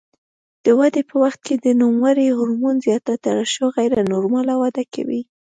د ودې په وخت کې د نوموړي هورمون زیاته ترشح غیر نورماله وده کوي.